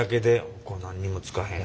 これ何にもつかへん。